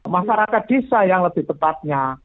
masyarakat desa yang lebih tepatnya